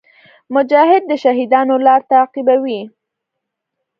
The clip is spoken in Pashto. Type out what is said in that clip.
مجاهد د شهیدانو لار تعقیبوي.